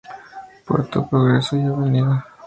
Puerto Progreso y Av.